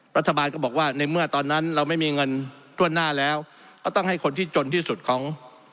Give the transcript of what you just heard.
รัฐบาลก็บอกว่าในเมื่อตอนนั้นเราไม่มีเงินท่วนหน้าแล้วก็ต้องให้คนที่จนที่สุดของ